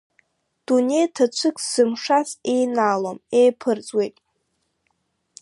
Дунеи ҭацәык ззымшаз еинаалом, еиԥырҵуеит…